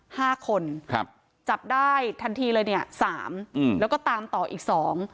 ห้าคนครับจับได้ทันทีเลยเนี้ยสามอืมแล้วก็ตามต่ออีกสอง